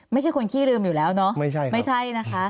ไม่ใช่คนขี้ลืมอยู่แล้วเนาะ